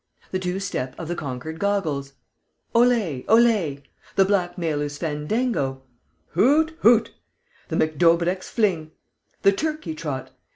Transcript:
The two step of the conquered goggles! Ollé! Ollé! The blackmailer's fandango! Hoot! Hoot! The McDaubrecq's fling!... The turkey trot!...